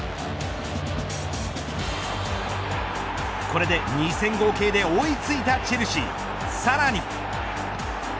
これで２戦合計で追いついたチェルシーさらに。